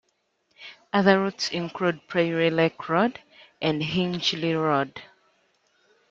Other routes include Prairie Lake Road and Hingeley Road.